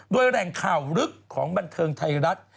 โดยแหล่งข่าวลึกของบันเทิงไทยรัฐ